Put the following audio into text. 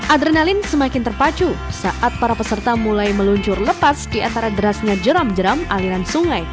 adrenalin semakin terpacu saat para peserta mulai meluncur lepas di antara derasnya jeram jeram aliran sungai